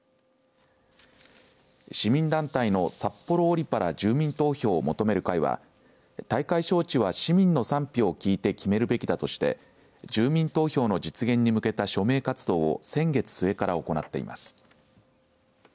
市民団体の札幌オリパラ住民投票を求める会は大会招致は市民の賛否を聞いて決めるべきだとして住民投票の実現に向けた署名活動を先月末から行っています。